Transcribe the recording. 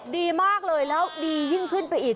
ดีมากเลยแล้วดียิ่งขึ้นไปอีก